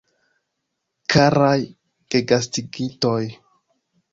Karaj gegastigintoj